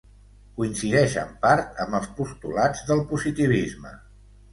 Coincideix en part amb els postulats del positivisme.